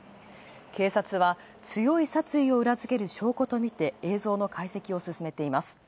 警察は強い殺意を裏付ける証拠とみて、映像の解析を進めています。